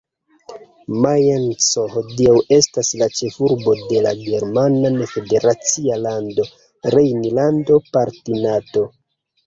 Majenco hodiaŭ estas la ĉefurbo de la german federacia lando Rejnlando-Palatinato.